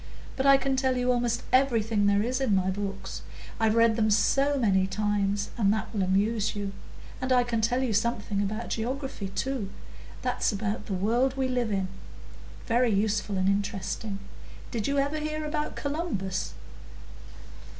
But I can tell you almost everything there is in my books, I've read them so many times, and that will amuse you. And I can tell you something about Geography too,—that's about the world we live in,—very useful and interesting. Did you ever hear about Columbus?"